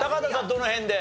どの辺で？